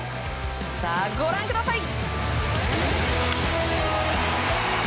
さあ、ご覧ください。